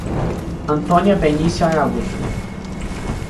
Antônia Benicio Araújo